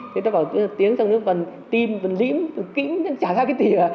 thế ta bảo tiếng trong nước vẫn tim vẫn lĩm vẫn kĩm chả ra cái tỉa